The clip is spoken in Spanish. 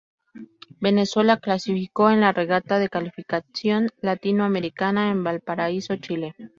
Venezuela clasificó en la Regata de calificación Latino Americana en Valparaíso, Chile.